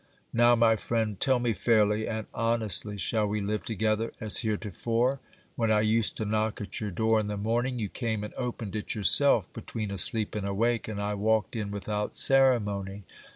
Now, my friend, tell me fairly and honestly, shall we live together as heretofore ? When I used to knock at your door in the morning, you came and opened it yourself, between asleep and awake, and I walked in without ceremony.